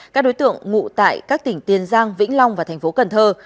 các đối tượng ngụ tại các tỉnh tiền giang vĩnh long và tp cần thơ